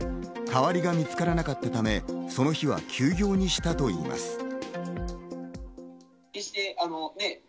代わりが見つからなかったため、その日は休業にしたといいます。